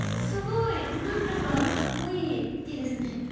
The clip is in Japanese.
すごい何だかかっこいい手ですね。